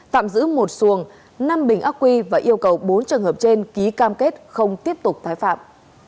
tạm giữ một xuồng năm bình ác quy và yêu cầu bốn trường hợp trên ký cam kết không tiếp tục tái phạm